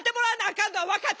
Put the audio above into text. かんのは分かってる。